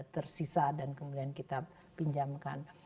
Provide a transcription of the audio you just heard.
tersisa dan kemudian kita pinjamkan